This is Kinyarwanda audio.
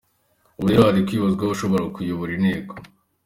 Ubu rero hari kwibazwa ushobora kuyobora Inteko.